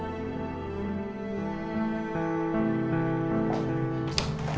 aku membangun wordpress